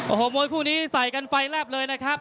โอ้โหมวยคู่นี้ใส่กันไฟแลบเลยนะครับ